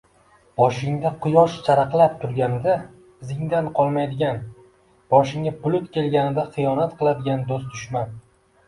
Boshingda quyosh charaqlab turganida izingdan qolmaydigan, boshingga bulut kelganida xiyonat qiladigan do‘st dushman.